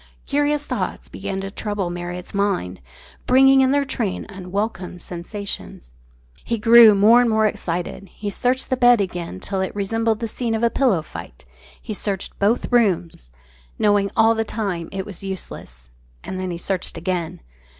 Curious thoughts began to trouble Marriott's mind, bringing in their train unwelcome sensations. He grew more and more excited; he searched the bed again till it resembled the scene of a pillow fight; he searched both rooms, knowing all the time it was useless, and then he searched again.